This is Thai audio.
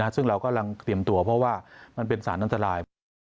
ซึ่งเรากำลังเตรียมตัวเพราะว่ามันเป็นสารอันตราย